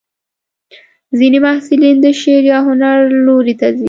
ځینې محصلین د شعر یا هنر لوري ته ځي.